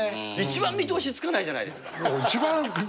一番見通しつかないじゃないですか。